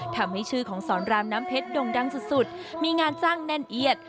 ทำให้ชื่อของสอนรามน้ำเพชรด่งดังสุดมีงานจ้างแน่นเอียด